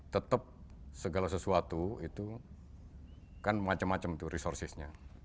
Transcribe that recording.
tetap segala sesuatu itu kan macam macam itu resourcesnya